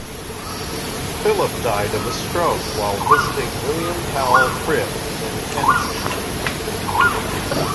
Phillip died of a stroke while visiting William Powell Frith in Kensington.